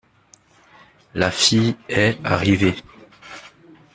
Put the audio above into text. La fille est arrivée.